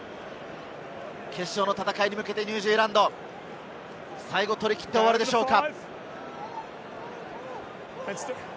決勝の戦いに向けてニュージーランド、最後、取り切って終わるでしょうか？